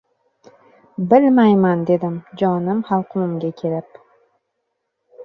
— Bilmayman!— dedim jonim xalqumimga kelib.